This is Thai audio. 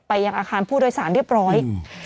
ยังอาคารผู้โดยสารเรียบร้อย